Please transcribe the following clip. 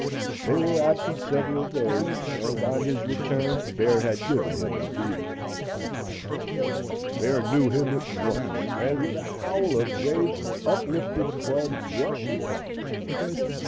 They were absent several days, and on his return, Bear had given him the beating. Bear knew him at once, and with a howl of rage and uplifted club, rushed upon him.